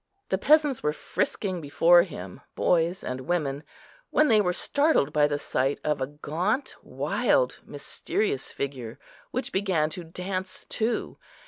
The peasants were frisking before him, boys and women, when they were startled by the sight of a gaunt, wild, mysterious figure, which began to dance too.